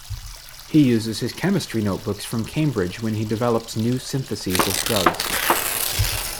He uses his chemistry notebooks from Cambridge when he develops new syntheses of drugs.